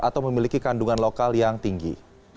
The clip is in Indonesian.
atau memiliki kandungan lokal yang tinggi